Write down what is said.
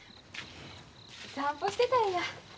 散歩してたんや。